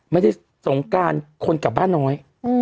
ไม่ได้ทรงกลางคนกลับบ้านน้อย